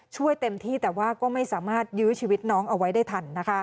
ช่วยเต็มที่แต่ไม่ยึดชีวิตน้องเอาไว้ได้ทัน